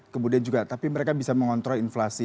kemudian juga tapi mereka bisa mengontrol inflasi